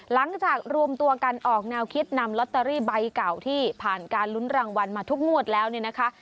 หลังจากรวมตัวกันออกแนวคิดนำลอตเตอรี่ใบเก่าที่ผ่านการลุ้นรางวัลมาทุกงวดแล้วเนี่ยนะคะ